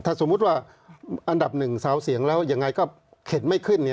ถ้าสมมุติว่าอันดับหนึ่งสาวเสียงแล้วยังไงก็เข็ดไม่ขึ้น